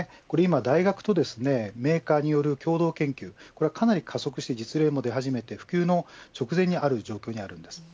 大学とメーカーによる共同研究かなり加速して実例も出始めて普及の直前にある状況にあります。